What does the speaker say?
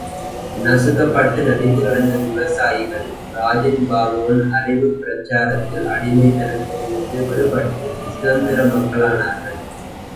நசுக்கப்பட்டு நலிந்து கிடந்த விவசாயிகள், ராஜன் பாபுவின் அறிவுப் பிரச்சாரத்தால் அடிமைத்தனத்திலே இருந்து விடுபட்டு சுதந்தர மக்களானார்கள்.